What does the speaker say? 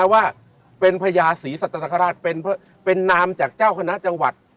ด้วยนะว่าเป็นพญาศรีสัตว์ธรรมดรเป็นเป็นนามจากเจ้าคณะจังหวัด